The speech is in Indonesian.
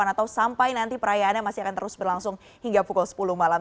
atau sampai nanti perayaannya masih akan terus berlangsung hingga pukul sepuluh malam